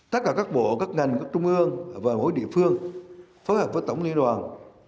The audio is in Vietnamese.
tất cả các bộ các ngành các trung ương và mỗi địa phương phối hợp với tổng liên đoàn